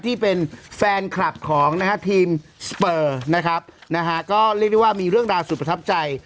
ที่เป็นแฟนคลับของนะฮะทีมสเปอร์นะครับนะฮะก็เรียกได้ว่ามีเรื่องราวสุดประทับใจ